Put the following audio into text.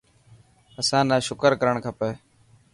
اسان نا شڪر ڪرڻ کپي.